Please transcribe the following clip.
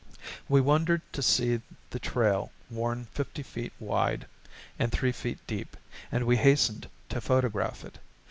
We wondered to see the trail worn fifty feet wide and three feet deep, and we hastened to photograph it.